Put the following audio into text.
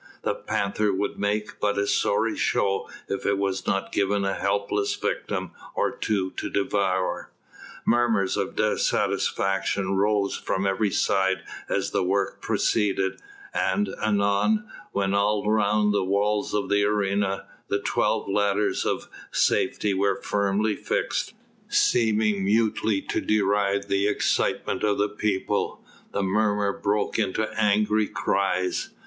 The panther would make but a sorry show if it was not given a helpless victim or two to devour. Murmurs of dissatisfaction rose from every side as the work proceeded, and anon when all round the walls of the arena, the twelve ladders of safety were firmly fixed, seeming mutely to deride the excitement of the people, the murmur broke into angry cries.